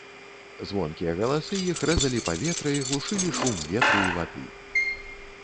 Звонкія галасы іх рэзалі паветра і глушылі шум ветру і вады.